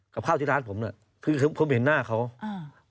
กับข้าวที่ร้านผมน่ะคือผมเห็นหน้าเขาอ่า